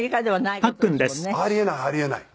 ありえないありえない。